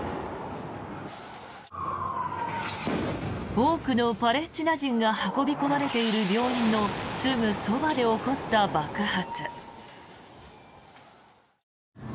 多くのパレスチナ人が運び込まれている病院のすぐそばで起こった爆発。